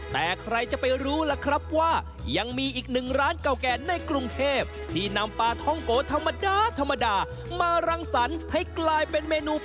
แต่ใครจะไปรู้ล่ะครับว่ายังมีอีกหนึ่งร้านเก่าแก่ในกรุงเทพที่นำปลาท้องโกธรรมดาธรรมดามารังสรรค์ให้กลายเป็นเมนู